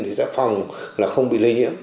thì sẽ phòng là không bị lây nhiễm